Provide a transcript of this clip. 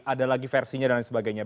ada lagi versinya dan lain sebagainya